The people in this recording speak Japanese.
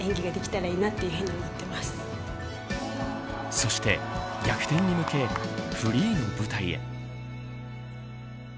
そして逆転に向け、フリーの舞台へ。